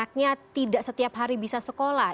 anaknya tidak setiap hari bisa sekolah